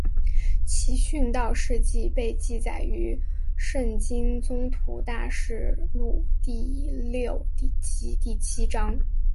其殉道事迹被记载于圣经宗徒大事录第六及第七章。